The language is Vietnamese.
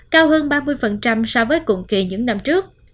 cao hơn ba mươi so với cùng kỳ những năm trước